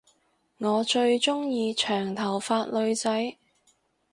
我最鐘意長頭髮女仔